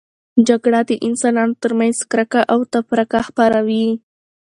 جګړه د انسانانو ترمنځ کرکه او تفرقه خپروي.